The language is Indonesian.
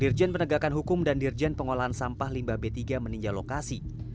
dirjen penegakan hukum dan dirjen pengolahan sampah limbah b tiga meninjau lokasi